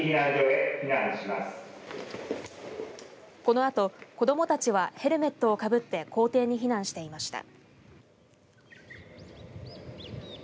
このあとを子どもたちはヘルメットをかぶって校庭に避難していました。